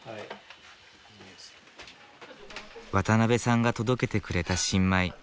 渡辺さんが届けてくれた新米。